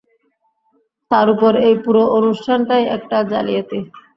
তার উপর, এই পুরো অনুষ্ঠানটাই একটা জালিয়াতি।